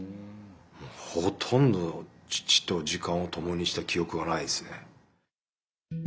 ほとんど父と時間を共にした記憶はないですね。